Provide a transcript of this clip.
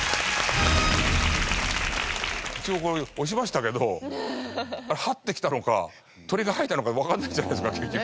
一応これ押しましたけど這ってきたのか鳥が吐いたのかわからないじゃないですか結局。